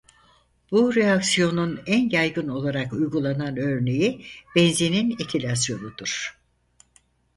Bu reaksiyonun en yaygın olarak uygulanan örneği benzenin etilasyonudur.